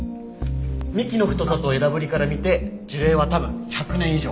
幹の太さと枝ぶりから見て樹齢は多分１００年以上。